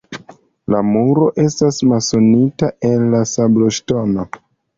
La muro estas masonita el sabloŝtono.